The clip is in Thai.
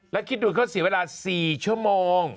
แล้วคิดดูเขาเสียเวลา๔ชั่วโมง